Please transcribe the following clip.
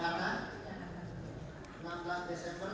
ada hubungan jewerken